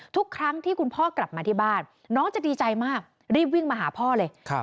ทุกครั้งที่คุณพ่อกลับมาที่บ้านน้องจะดีใจมากรีบวิ่งมาหาพ่อเลย